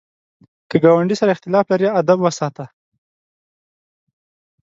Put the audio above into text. که ګاونډي سره اختلاف لرې، ادب وساته